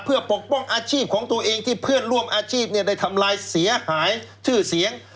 เพื่อปกป้องอาชีพของตัวเองที่เพื่อนร่วมอาชีพได้ทำลายเสียหายชื่อเสียง